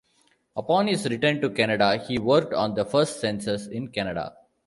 Upon his return to Canada he worked on the first census in Canada.